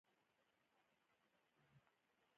پیرودونکی د رسید کاپي وساته.